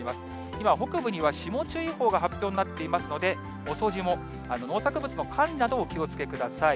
今、北部には霜注意報が発表になっていますので、遅霜、農作物の管理などもお気をつけください。